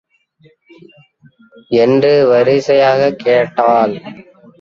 என்று வரிசையாகக் கேட்டாள்.